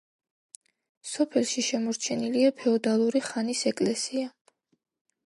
სოფელში შემორჩენილია ფეოდალური ხანის ეკლესია.